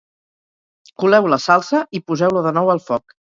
Coleu la salsa i poseu-la de nou al foc